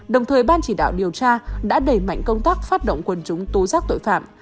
đồng thời ban chỉ đạo điều tra đã đẩy mạnh công tác phát động quần chúng tố giác tội phạm